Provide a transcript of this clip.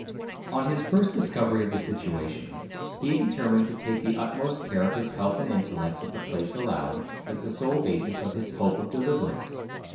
On his first discovery of his situation, he had determined to take the utmost care of his health and intellect that the place allowed, as the sole basis of his hope of deliverance.